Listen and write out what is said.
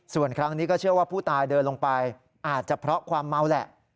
ส่วนครั้งนี้ก็เชื่อว่าผู้ตายเดินลงไปอาจจะเพราะความเมาแหละ